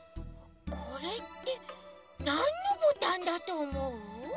これってなんのボタンだとおもう？